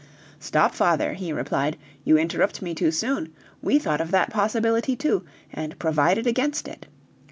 "Stop, father," he replied, "you interrupt me too soon; we thought of that possibility too, and provided against it.